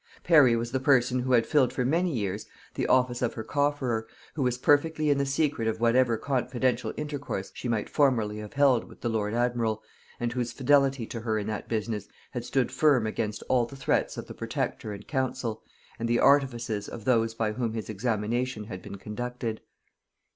Parry was the person who had filled for many years the office of her cofferer, who was perfectly in the secret of whatever confidential intercourse she might formerly have held with the lord admiral, and whose fidelity to her in that business had stood firm against all the threats of the protector and council, and the artifices of those by whom his examination had been conducted.